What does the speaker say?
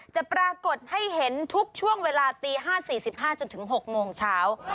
จะปรากฏให้เห็นทุกช่วงเวลาตี๕๔๕จนถึง๖โมงเช้า